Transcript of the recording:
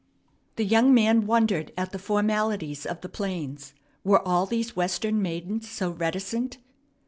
The young man wondered at the formalities of the plains. Were all these Western maidens so reticent?